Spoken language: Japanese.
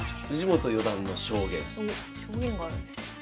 おっ証言があるんですね。